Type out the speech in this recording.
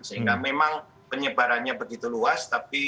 sehingga memang penyebarannya begitu luas